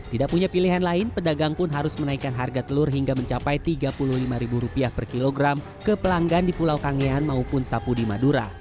tidak punya pilihan lain pedagang pun harus menaikkan harga telur hingga mencapai rp tiga puluh lima per kilogram ke pelanggan di pulau kangean maupun sapu di madura